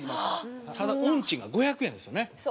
ただ運賃が５００円ですよね。